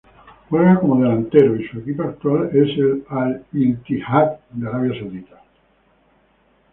Juega como delantero y su equipo actual es el Al-Ittihad de Arabia Saudita.